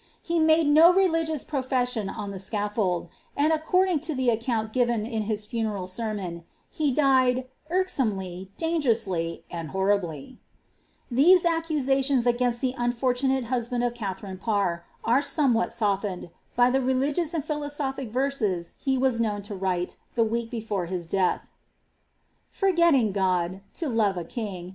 * He made ■• religious profesainn on the scaflbld ; and, according to the account gtns in his funeral sermon, he died ■^ irksomely, daogerously, and hornbty " These accusations against the unfortunate husband of Katharine Pur, are somewhat si^l'iened, by the religious and philosophic verse* he «n known to write the week before his death:' — ■FoTEelling God, m Inve a kiag.